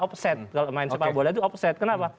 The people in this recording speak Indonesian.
offset kalau main sepak bola itu offset kenapa